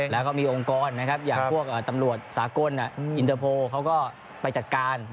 แล้วก็มีองค์กรอย่างพวกตำรวจสากลอินเตอร์โพลเขาก็ไปจัดการ